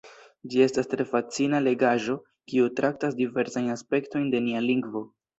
Ĝi estas tre fascina legaĵo, kiu traktas diversajn aspektojn de nia lingvo.